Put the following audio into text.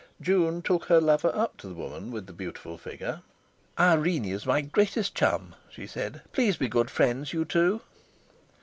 June took her lover up to the woman with the beautiful figure. "Irene is my greatest chum," she said: "Please be good friends, you two!"